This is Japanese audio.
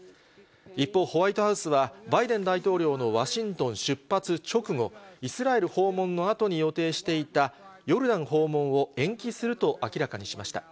一方、ホワイトハウスは、バイデン大統領のワシントン出発直後、イスラエル訪問のあとに予定していたヨルダン訪問を延期すると明らかにしました。